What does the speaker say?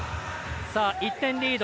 １点リード